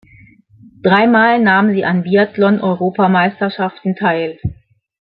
Dreimal nahm sie an Biathlon-Europameisterschaften teil.